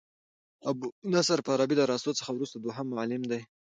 ابو نصر فارابي د ارسطو څخه وروسته دوهم معلم دئ.